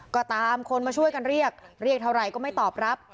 ก็ตามคนมาช่วยกันเรียกเรียกเท่าไหร่ก็ไม่ตอบรับ